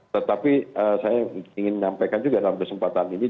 tetapi saya ingin menyampaikan juga dalam kesempatan ini